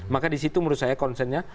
maka disitu menurut saya concernnya